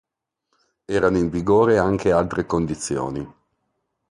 Erano in vigore anche altre condizioni.